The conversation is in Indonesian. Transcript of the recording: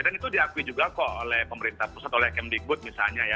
dan itu diakui juga kok oleh pemerintah pusat oleh kemdikbud misalnya ya